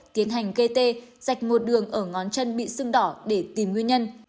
tiến hành gây tê sạch một đường ở ngón chân bị sưng đỏ để tìm nguyên nhân